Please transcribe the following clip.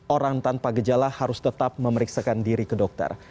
orang tanpa gejala harus tetap memeriksakan diri ke dokter